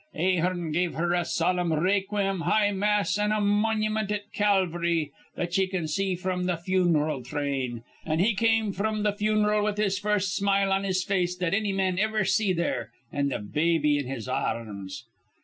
Ahearn give her a solemn rayqueem high mass an' a monument at Calv'ry that ye can see fr'm th' fun'ral thrain. An' he come fr'm th' fun'ral with th' first smile on his face that anny man iver see there, an' th' baby in his ar rms.